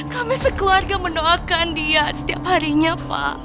kami sekeluarga mendoakan dia setiap harinya pak